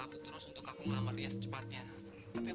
aku sudah sudah selesai kak